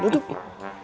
aku belum tahan